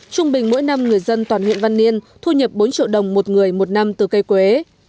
trung bình mỗi năm người dân toàn huyện văn yên thu nhập bốn triệu đồng một người một năm từ cây quế